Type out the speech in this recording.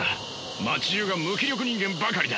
街じゅうが無気力人間ばかりだ。